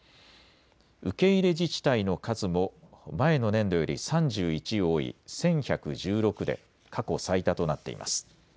受け入れ自治体の数も前の年度より３１多い１１１６で過去最多となっています。